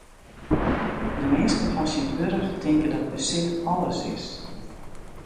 De minsken fan tsjintwurdich tinke dat besit alles is.